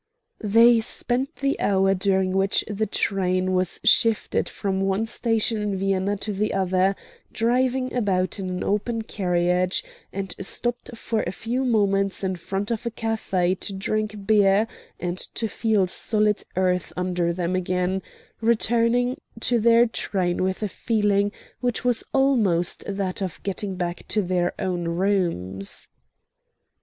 They spent the hour during which the train shifted from one station in Vienna to the other driving about in an open carriage, and stopped for a few moments in front of a cafe to drink beer and to feel solid earth under them again, returning to the train with a feeling which was almost that of getting back to their own rooms.